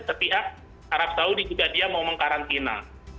sepihak arab saudi juga dia mau mengkarantina